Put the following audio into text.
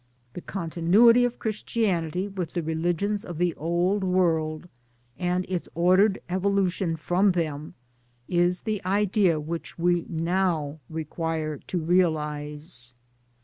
The continuity of Christianity with the religions of the old world and its ordered evolution from them is the idea which we now require to realize.